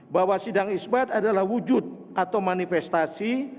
bahwa sidang isbat adalah wujud atau manifestasi